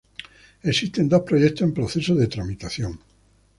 Existen dos proyectos en proceso de tramitación.